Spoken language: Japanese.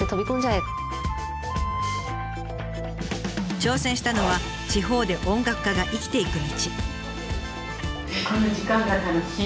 挑戦したのは地方で音楽家が生きていく道。